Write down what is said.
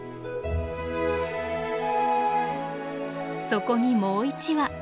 そこにもう一羽。